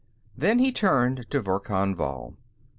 Then he turned to Verkan Vall.